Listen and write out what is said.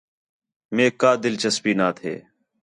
میک کا دلچسپی نا تھے